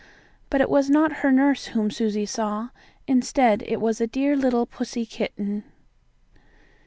But it was not her nurse whom Susie saw. Instead it was a dear little pussy kitten.